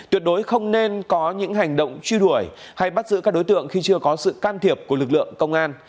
tuyệt đối không nên có những hành động truy đuổi hay bắt giữ các đối tượng khi chưa có sự can thiệp của lực lượng công an